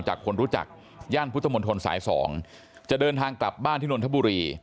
คนรู้จักย่านพุทธมนตรสาย๒จะเดินทางกลับบ้านที่นนทบุรี